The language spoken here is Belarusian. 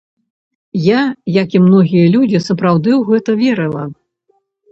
Я, як і многія людзі, сапраўды ў гэта верыла.